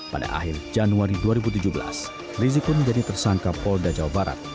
pada akhir januari dua ribu tujuh belas rizik pun menjadi tersangka polda jawa barat